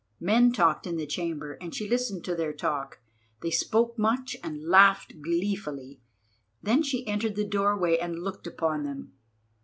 Men talked in the chamber, and she listened to their talk. They spoke much and laughed gleefully. Then she entered the doorway and looked upon them.